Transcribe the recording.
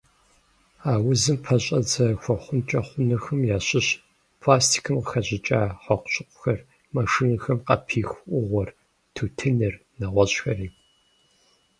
А узым пэщӀэдзэ хуэхъункӀэ хъунухэм ящыщщ пластикым къыхэщӏыкӏа хьэкъущыкъухэр, машинэхэм къапиху Ӏугъуэр, тутыныр, нэгъуэщӏхэри.